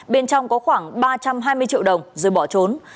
bên trong có khoảng ba trăm hai mươi triệu đồng rồi bỏ trốn